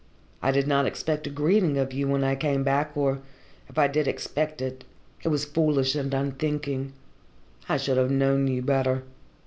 I did not expect a greeting of you when I came back, or, if I did expect it, I was foolish and unthinking. I should have known you better.